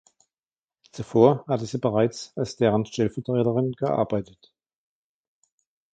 Zuvor hatte sie bereits als deren Stellvertreterin gearbeitet.